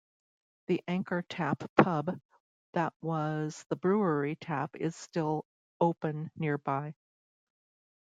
The "Anchor Tap" pub that was the brewery tap is still open nearby.